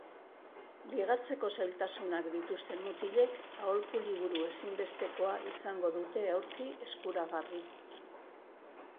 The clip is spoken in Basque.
Ligatzeko zailtasunak dituzten mutilek aholku liburu ezinbestekoa izango dute aurki eskuragarri.